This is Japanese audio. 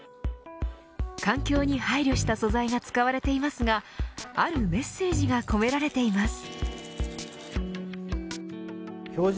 環境に配慮した素材が使われていますがあるメッセージが込められています。